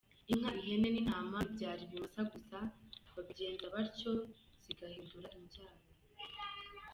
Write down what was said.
Inka ,ihene n’intama bibyara ibimasa gusa babigenza batyo zigahindura imbyaro.